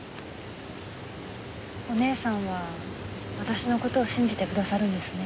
お義姉さんは私の事を信じてくださるんですね。